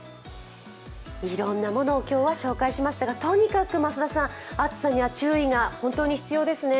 いろんなものを今日は紹介しましたがとにかく増田さん、暑さには注意が本当に必要ですね。